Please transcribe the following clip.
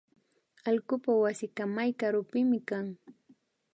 Allkupak wasika may karupimi kan